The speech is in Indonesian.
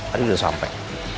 adi sudah sampai